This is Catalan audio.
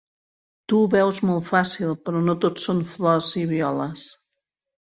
Tu ho veus molt fàcil, però no tot són flors i violes.